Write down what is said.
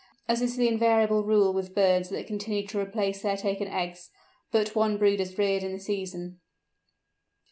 As is the invariable rule with birds that continue to replace their taken eggs, but one brood is reared in the season.